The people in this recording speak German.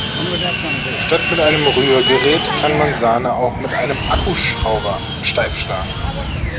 Statt mit einem Rührgerät kann man Sahne auch mit einem Akkuschrauber steif schlagen.